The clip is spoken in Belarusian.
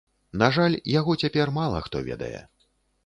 На жаль, яго цяпер мала хто ведае.